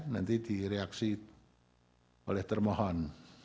nanti direaksi oleh termohon